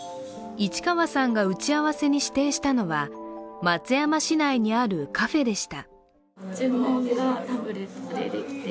市川さんが打ち合わせに指定したのは松山市内にあるカフェでした。